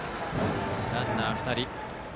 ランナー、２人。